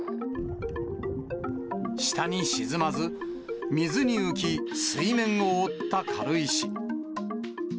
下に沈まず、水に浮き、水面を覆った軽石。